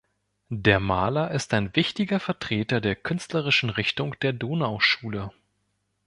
Der Maler ist ein wichtiger Vertreter der künstlerischen Richtung der Donauschule.